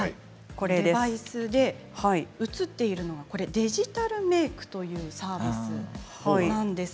デバイスで映っているのがデジタルメークというサービスです。